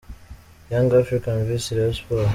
-: Young Africans vs Rayon Sport.